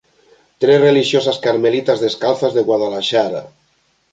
Tres relixiosas carmelitas descalzas de Guadalaxara.